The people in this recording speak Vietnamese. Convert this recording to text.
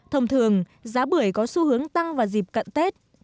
thông thường giá bưởi có xu hướng tăng vào dịp cận tết